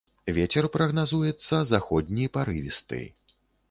Вецер прагназуецца заходні парывісты.